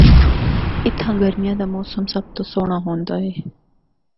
اِتھا گرمیاں دا موسم سب تو سہنڑا ہوندا اے۔